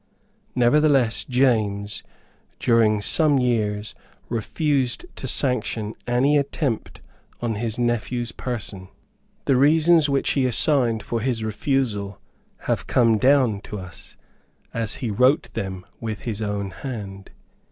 Nevertheless James, during some years, refused to sanction any attempt on his nephew's person. The reasons which he assigned for his refusal have come down to us, as he wrote them with his own hand.